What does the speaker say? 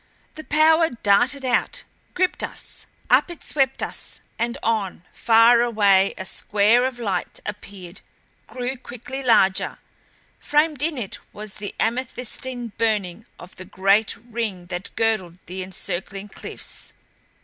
The power darted out; gripped us. Up it swept us and on. Far away a square of light appeared, grew quickly larger. Framed in it was the amethystine burning of the great ring that girdled the encircling cliffs.